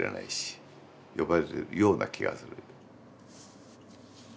呼ばれてるような気がする。